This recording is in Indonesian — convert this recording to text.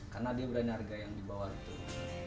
karena dia berani harga yang dibawa gitu